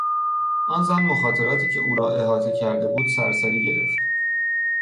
آن زن مخاطراتی که او را احاطه کرده بود سرسری گرفت.